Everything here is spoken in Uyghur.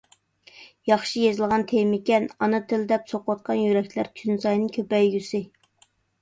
ياخشى يېزىلغان تېمىكەن. «ئانا تىل» دەپ سوقۇۋاتقان يۈرەكلەر كۈنسايىن كۆپەيگۈسى!